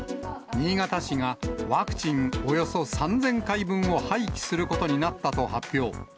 新潟市がワクチンおよそ３０００回分を廃棄することになったと発表。